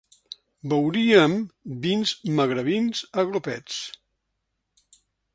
Beuríem vins magrebins a glopets.